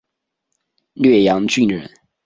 略阳郡人。